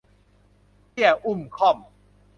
เตี้ยอุ้มค่อม